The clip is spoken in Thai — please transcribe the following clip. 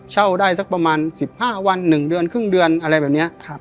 เช่าได้สักประมาณสิบห้าวันหนึ่งเดือนครึ่งเดือนอะไรแบบเนี้ยครับ